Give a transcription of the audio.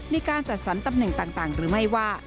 ในการจัดสรรตำแหน่งต่างหรือไม่ว่า